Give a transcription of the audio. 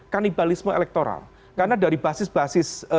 kanibalisme elektoral karena dari basis basis